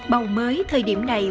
bầu mới thời điểm này